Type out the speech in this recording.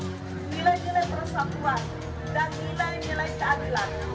ini adalah dasar dari kemanusiaan universal yang menjadikan basis dari pendirinya indonesia